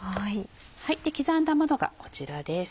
刻んだものがこちらです。